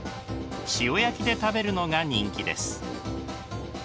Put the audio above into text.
塩焼きで食べるのが人気です。